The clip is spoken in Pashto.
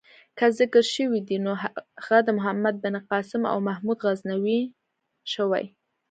که ذکر شوی دی نو هغه د محمد بن قاسم او محمود غزنوي شوی.